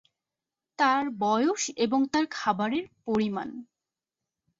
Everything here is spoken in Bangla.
তার বয়স এবং তার খাবারের পরিমাণ।